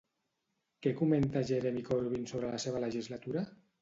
Què comenta Jeremy Corbyn sobre la seva legislatura?